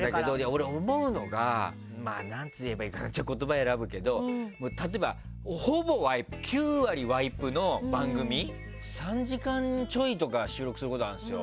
俺思うのが、言葉選ぶけど例えば、ほぼワイプ９割ワイプの番組３時間ちょい収録することがあるんですよ。